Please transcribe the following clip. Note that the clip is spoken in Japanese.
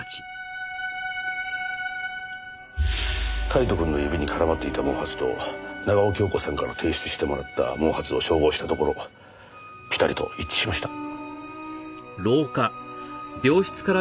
カイトくんの指に絡まっていた毛髪と長尾恭子さんから提出してもらった毛髪を照合したところぴたりと一致しました。